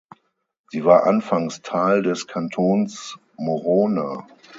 Sie war anfangs Teil des Kantons Morona.